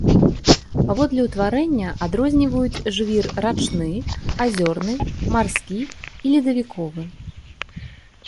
Паводле ўтварэння адрозніваюць жвір рачны, азёрны, марскі і ледавіковы.